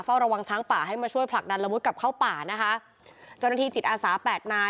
เฝ้าระวังช้างป่าให้มาช่วยผลักดันละมุดกลับเข้าป่านะคะเจ้าหน้าที่จิตอาสาแปดนาย